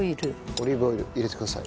オリーブオイル。入れてください。